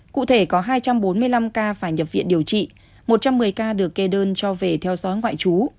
cụ thể có hai trăm bốn mươi năm ca phải nhập viện điều trị một trăm một mươi ca được kê đơn cho về theo dõi ngoại trú